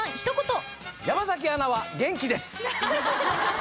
山アナは元気です！